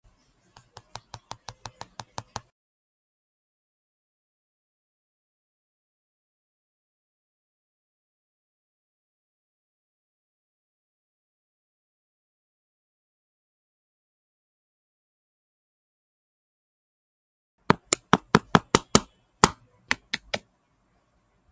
এর প্রতিষ্ঠাতা Michael del.